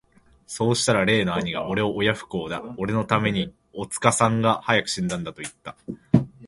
さうしたら例の兄がおれを親不孝だ、おれの為めに、おつかさんが早く死んだんだと云つた。